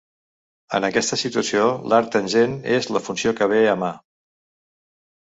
En aquesta situació l'arctangent és la funció que bé a mà.